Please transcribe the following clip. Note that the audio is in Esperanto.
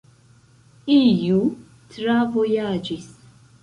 Iu travojaĝis.